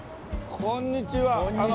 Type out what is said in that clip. こんにちは。